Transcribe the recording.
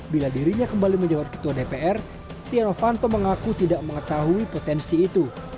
bila dirinya kembali menjabat ketua dpr setia novanto mengaku tidak mengetahui potensi itu